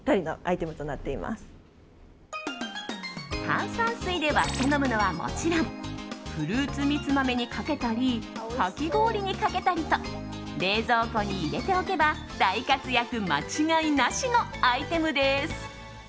炭酸水で割って飲むのはもちろんフルーツみつ豆にかけたりかき氷にかけたりと冷蔵庫に入れておけば大活躍間違いなしのアイテムです。